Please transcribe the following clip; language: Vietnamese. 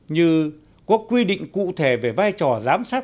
như có quy định cụ thể về vai trò giám sát